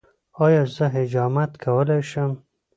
ایا زه حجامت کولی شم؟